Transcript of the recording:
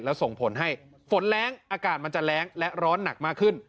แล้วส่งผลให้ฝนแรงอากาศมันจะแรงและร้อนหนักมากขึ้น